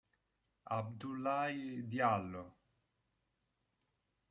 Abdoulaye Diallo